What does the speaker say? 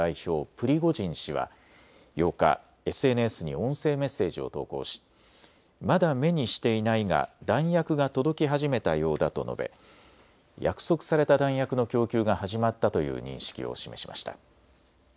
プリゴジン氏は８日、ＳＮＳに音声メッセージを投稿しまだ目にしていないが弾薬が届き始めたようだと述べ約束された弾薬の供給が始まったという認識を示しました。